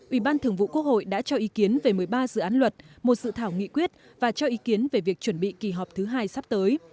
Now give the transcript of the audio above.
ủy ban thường vụ quốc hội đã cho ý kiến về một mươi ba dự án luật một dự thảo nghị quyết và cho ý kiến về việc chuẩn bị kỳ họp thứ hai sắp tới